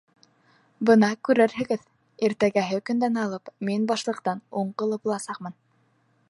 — Бына күрерһегеҙ, иртәгәһе көндән алып, мин башлыҡтың уң ҡулы буласаҡмын!